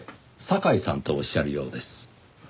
酒井さんとおっしゃるようです。